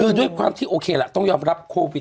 คือด้วยความที่โอเคล่ะต้องยอมรับโควิด